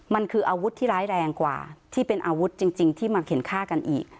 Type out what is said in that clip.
มันคืออาวุธที่ร้ายแรงกว่าที่เป็นอาวุธจริงที่มาเข็นฆ่ากันอีก